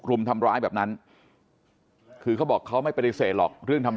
รุมทำร้ายแบบนั้นคือเขาบอกเขาไม่ปฏิเสธหรอกเรื่องทำ